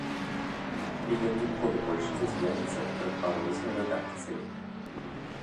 І ён ніколі больш не з'явіцца на парозе рэдакцыі.